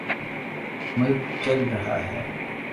ملک چل رہا ہے۔